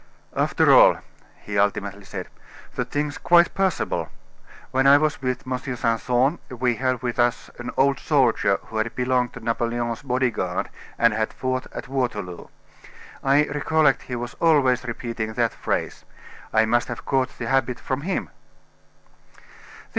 "After all," he ultimately said, "the thing's quite possible. When I was with M. Simpson, we had with us an old soldier who had belonged to Napoleon's body guard and had fought at Waterloo. I recollect he was always repeating that phrase. I must have caught the habit from him."